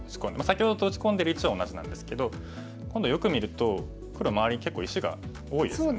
先ほどと打ち込んでる位置は同じなんですけど今度よく見ると黒周りに結構石が多いですよね。